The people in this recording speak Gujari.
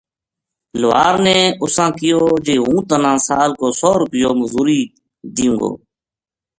لوہار نے اُساں کہیو جی ہوں تنا سال کو سو روپیو مزوری دیوں گو